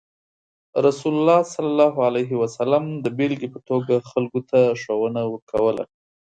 رسول الله صلى الله عليه وسلم د بیلګې په توګه خلکو ته ښوونه ورکوله.